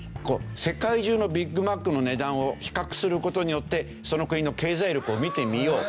世界中のビッグマックの値段を比較する事によってその国の経済力を見てみようというのですよ。